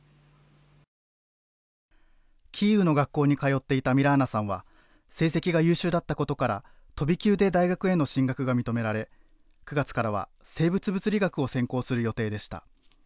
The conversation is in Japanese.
キーウの学校に通っていたミラーナさんは成績が優秀だったことから飛び級で大学への進学が認められ、９月からは生物物理学を専攻する予定でした。